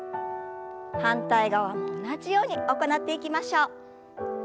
反対側も同じように行っていきましょう。